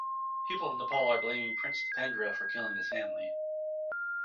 People of Nepal are blaming Prince Deependra for killing his family.